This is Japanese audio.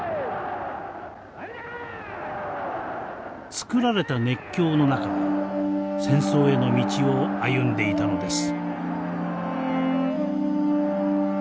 作られた熱狂の中で戦争への道を歩んでいたのです。